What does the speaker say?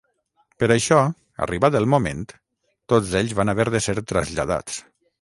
Per això, arribat el moment, tots ells van haver de ser traslladats.